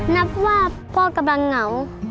นับว่าพ่อกำลังเหงา